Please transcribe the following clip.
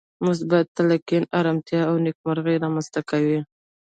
مثبت تلقين ارامتيا او نېکمرغي رامنځته کوي.